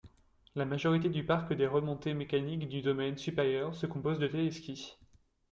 La majorité du parc des remontées mécaniques du domaine supérieur se compose de téléskis.